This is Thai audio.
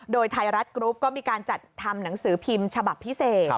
โดยไทยรัฐกรุ๊ปก็มีการจัดทำหนังสือพิมพ์ฉบับพิเศษ